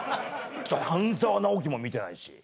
『半沢直樹』も見てないし。